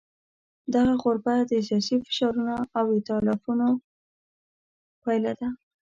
دغه غربت د سیاسي فشارونو او ایتلافونو پایله ده.